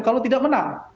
kalau tidak menang